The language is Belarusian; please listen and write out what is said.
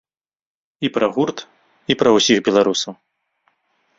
І пра гурт, і пра ўсіх беларусаў.